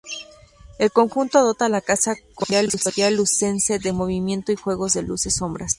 El conjunto dota a la Casa Consistorial lucense de movimiento y juegos de luces-sombras.